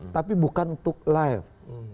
tapi bukan untuk live